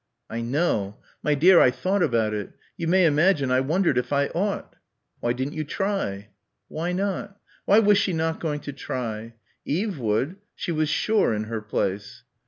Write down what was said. "I know. My dear I thought about it. You may imagine. I wondered if I ought." "Why didn't you try?" Why not? Why was she not going to try? Eve would, she was sure in her place....